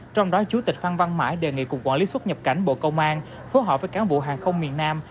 trong đó chủ tịch phan văn mãi đề nghị cục quản lý xuất nhập cảnh bộ công an phối hợp với cán bộ hàng không miền nam